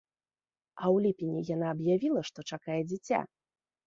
А ў ліпені яна аб'явіла, што чакае дзіця.